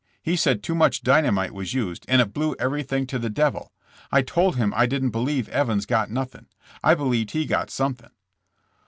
He said too much dynamite was used and it blew everything to the devil. I told him I didn't believe Evans got nothing. I believed he got something.